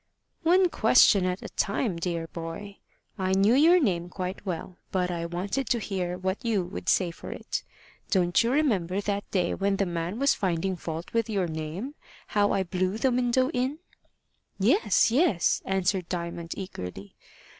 "One question at a time, dear boy. I knew your name quite well, but I wanted to hear what you would say for it. Don't you remember that day when the man was finding fault with your name how I blew the window in?" "Yes, yes," answered Diamond, eagerly.